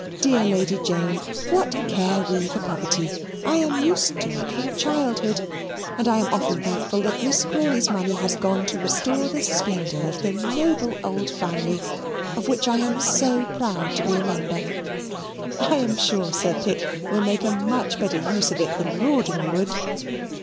"Dear Lady Jane, what care we for poverty? I am used to it from childhood, and I am often thankful that Miss Crawley's money has gone to restore the splendour of the noble old family of which I am so proud to be a member. I am sure Sir Pitt will make a much better use of it than Rawdon would."